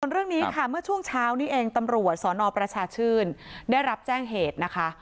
เรื่องนี้ค่ะเมื่อช่วงเช้านี้เองตำรวจสนประชาชื่นได้รับแจ้งเหตุนะคะ